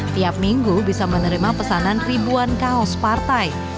tiap minggu bisa menerima pesanan ribuan kaos partai